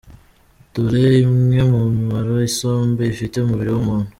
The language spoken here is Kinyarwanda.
Dore imwe mu mimaro isombe ifitiye umubiri w’umuntu.